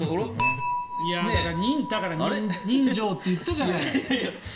だから人情って言ったじゃない。